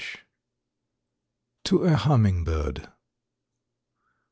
96 TO A HUMMINGBIRD.